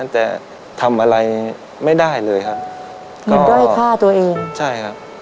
แต่ทำอะไรไม่ได้เลยครับก็ด้อยฆ่าตัวเองใช่ครับ